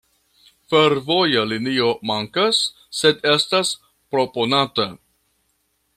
Fervoja linio mankas, sed estas proponata.